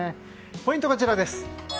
ポイントはこちら。